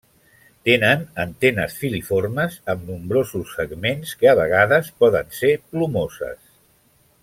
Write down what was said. Tenen antenes filiformes amb nombrosos segments, que a vegades poden ser plomoses.